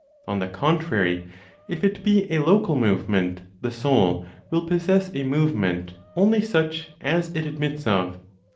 On the contrary, if it be a local movement, the Soul will possess a movement only such as it admits of.